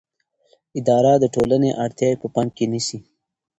اداره د ټولنې اړتیاوې په پام کې نیسي.